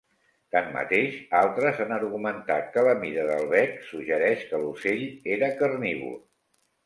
Tanmateix, altres han argumentat que la mida del bec suggereix que l'ocell era carnívor.